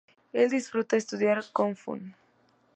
Él disfruta estudiar Kofun.